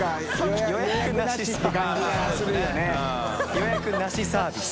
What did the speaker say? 「予約なし」サービス。